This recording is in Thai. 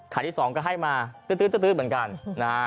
ขันที่สองก็ให้มาตื๊ดตื๊ดตื๊ดตื๊ดเหมือนกัน